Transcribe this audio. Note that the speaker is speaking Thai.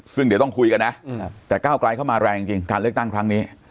ซึ่งเดี๋ยวต้องคุยกันนะแต่ก้าวไกลเข้ามาแรงจริงการเลือกตั้งครั้งนี้